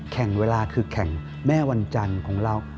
แข่งเวลาคือแข่งแม่วันจันทร์ของเรา